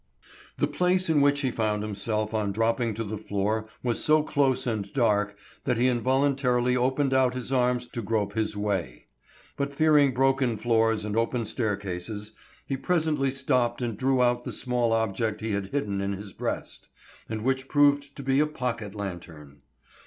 The place in which he found himself on dropping to the floor was so close and dark that he involuntarily opened out his arms to grope his way. But fearing broken floors and open staircases, he presently stopped and drew out the small object he had hidden in his breast, and which proved to be a pocket lantern.